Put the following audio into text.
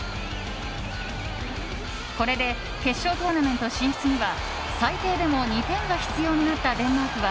これで決勝トーナメント進出には最低でも２点が必要になったデンマークは